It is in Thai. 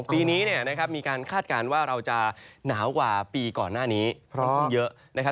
ปีนี้มีการคาดการณ์ว่าเราจะหนากว่าปีก่อนหน้านี้เยอะ